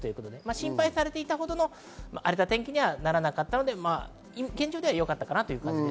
心配されていたほどの荒れた天気にはならなかったので現状ではよ